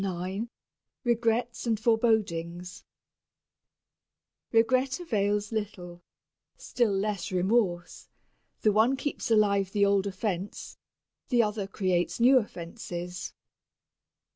IX REGRETS AND FOREBODINGS Regret avails little still less remorse the one keeps alive the old offense, the other creates new offenses.